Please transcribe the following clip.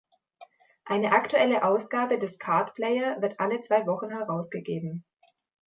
Eine aktuelle Ausgabe des "Card Player" wird alle zwei Wochen herausgegeben.